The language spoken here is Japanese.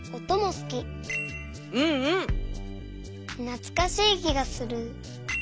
なつかしいきがする。